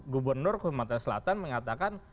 gubernur sumatera selatan mengatakan